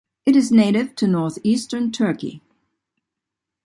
It is native to northeastern Turkey.